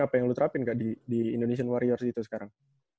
apa yang lu terapin gak di indonesian warriors itu sekarang